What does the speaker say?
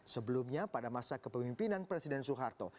sebelumnya pada masa kepemimpinan presiden soeharto